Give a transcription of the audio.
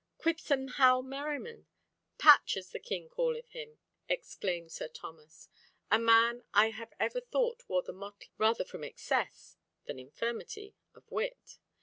"Quipsome Hal Merriman! Patch as the King calleth him!" exclaimed Sir Thomas. "A man I have ever thought wore the motley rather from excess, than infirmity, of wit."